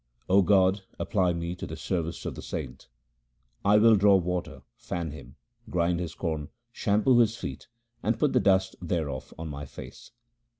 0 God, apply me to the service of the saint : 1 will draw water, fan him, grind his corn, shampoo his feet, and put the dust thereof on my face.